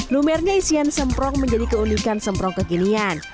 lumernya isian semprong menjadi keunikan semprong kekinian